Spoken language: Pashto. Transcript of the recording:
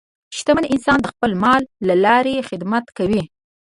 شتمن انسان د خپل مال له لارې خدمت کوي.